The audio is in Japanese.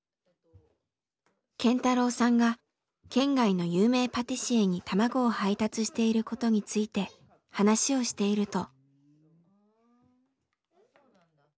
健太郎さんが県外の有名パティシエに卵を配達していることについて話をしていると。